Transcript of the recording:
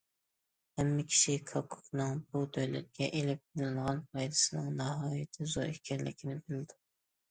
ھەممە كىشى كاكائونىڭ بۇ دۆلەتكە ئېلىپ كېلىدىغان پايدىسىنىڭ ناھايىتى زور ئىكەنلىكىنى بىلىدۇ.